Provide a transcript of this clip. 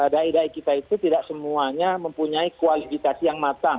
da'i da'i kita itu tidak semuanya mempunyai kualifikasi yang matang